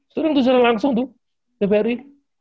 setelah itu siaran langsung tuh tvri